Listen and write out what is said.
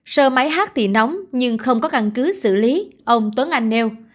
sơ máy hát thì nóng nhưng không có căn cứ xử lý ông tuấn anh nêu